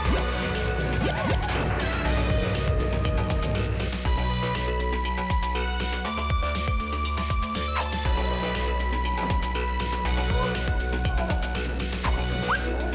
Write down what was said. แม่นไปค่ะไปค่ะ